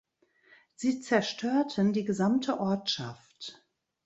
Sie zerstörten die gesamte Ortschaft.